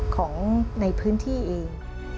ของในพื้นที่เอง